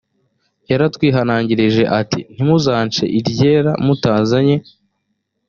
yaratwihanangirije ati ntimuzance iryera mutazanye